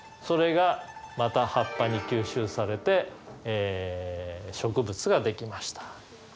それがまた葉っぱに吸収されて植物が出来ました。